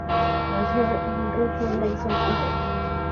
Nació en Rishon Lezion, Israel.